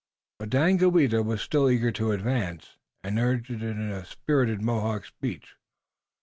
But Daganoweda was still eager to advance, and urged it in a spirited Mohawk speech.